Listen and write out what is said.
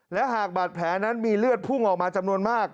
และหากบาดแผลนั้นมีเลือดพุ่งออกมาจำนวนมาก